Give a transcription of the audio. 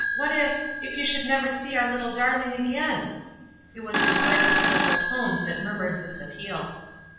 what if — if you should never see our little darling again?" It was his wife's pitiful tones that murmured this appeal.